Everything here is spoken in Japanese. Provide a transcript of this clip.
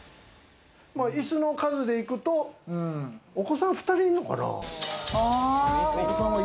いすの数でいくと、お子さん２人いるのかな？